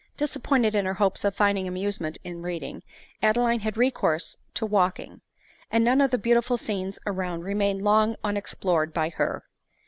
Disappointed in her hopes of finding amusement in reading, Adeline had recourse to walking ; and none of the beautiful scenes around remained long unexplored by her.